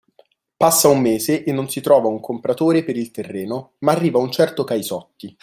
Passa un mese e non si trova un compratore per il terreno ma arriva un certo Caisotti